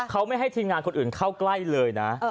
เขาไม่ให้ทีมงานคนอื่นเข้าใกล้เลยนะ